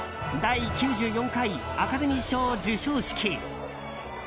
第９４回アカデミー賞授賞式。